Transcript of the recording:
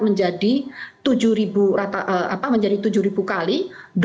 menjadi tujuh kali